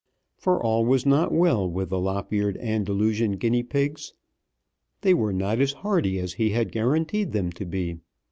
For all was not well with the lop eared Andalusian guinea pigs. They were not as hardy as he had guaranteed them to be.